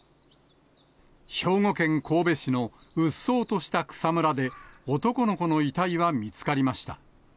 兵庫県神戸市のうっそうとした草むらで、男の子の遺体は見つかりました。